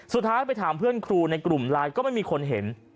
สุดท้ายไปถามเพื่อนครูในกลุ่มไลน์ก็ไม่มีคนเห็น